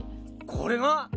これが！？